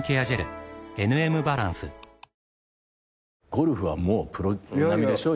ゴルフはもうプロ並みでしょ？